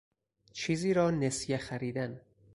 چیزی را نسیه خریدن